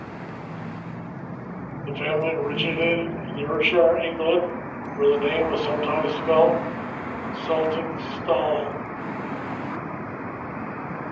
The family originated in Yorkshire, England, where the name was sometimes spelled Saltingstall.